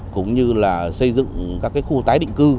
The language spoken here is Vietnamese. cũng như là xây dựng các khu tái định cư